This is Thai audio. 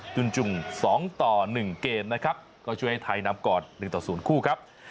จุนจุ่ม๒ต่อ๑เกมนะครับก็ช่วยให้ไทยนำก่อน๑ต่อ๐คู่ครับ